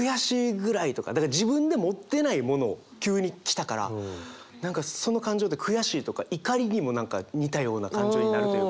だから自分で持ってないものを急に来たから何かその感情って悔しいとか怒りにも似たような感情になるというか。